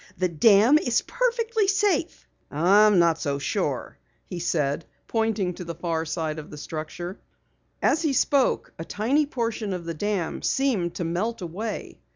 The dam is perfectly safe." "I'm not so sure," he said, pointing to the far side of the structure. As he spoke a tiny portion of the dam seemed to melt away.